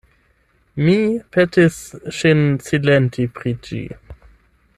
Mi petis ŝin silenti pri ĝi.